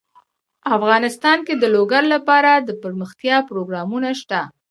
افغانستان کې د لوگر لپاره دپرمختیا پروګرامونه شته.